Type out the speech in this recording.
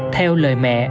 theo lời mẹ